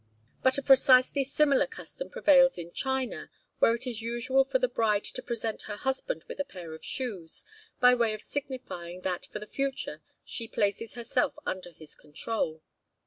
But a precisely similar custom prevails in China, where it is usual for the bride to present her husband with a pair of shoes, by way of signifying that for the future she places herself under his control.